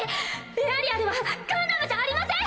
エアリアルはガンダムじゃありません！